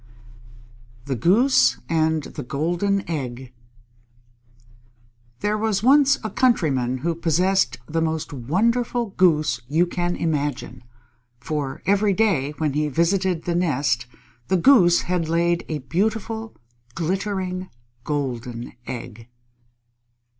_ THE GOOSE AND THE GOLDEN EGG There was once a Countryman who possessed the most wonderful Goose you can imagine, for every day when he visited the nest, the Goose had laid a beautiful, glittering, golden egg.